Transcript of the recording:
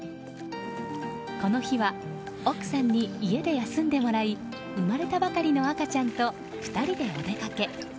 この日は奥さんに家で休んでもらい生まれたばかりの赤ちゃんと２人でお出かけ。